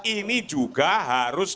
ini juga harus